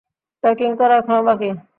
Packing করা এখনও বাকি!